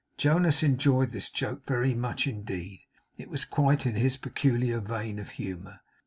Jonas enjoyed this joke very much indeed. It was quite in his peculiar vein of humour.